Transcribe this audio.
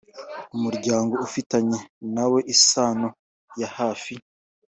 umuryango ufitanye nawe isano ya hafi